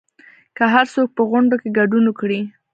که هرڅوک په غونډو کې ګډون وکړي